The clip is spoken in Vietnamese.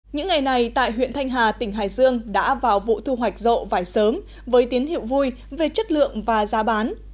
những ngày này tại huyện thanh hà tỉnh hải dương đã vào vụ thu hoạch rộ vải sớm với tiến hiệu vui về chất lượng và giá bán